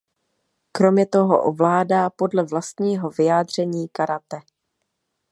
Kromě toho ovládá podle vlastního vyjádření karate.